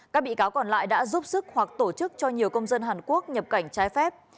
các bị cáo còn lại đã giúp sức hoặc tổ chức cho nhiều công dân hàn quốc nhập cảnh trái phép